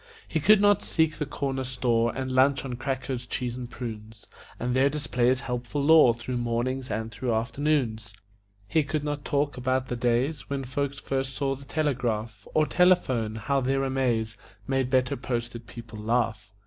He could not seek the corner store And lunch on crackers, cheese and prunes, And there display his helpful lore Through mornings and through afternoons; He could not talk about the days When folks first saw the telegraph Or telephone; how their amaze Made better posted people laugh.